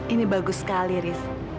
ini bagus sekali riz